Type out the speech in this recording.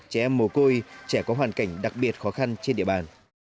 trẻ em mồ côi trẻ có hoàn cảnh đặc biệt khó khăn trên địa bàn